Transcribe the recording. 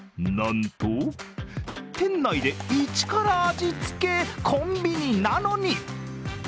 なんと、店内で一から味つけ、コンビニなのに！